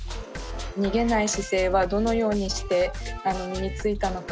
逃げない姿勢はどのようにして身についたのかを。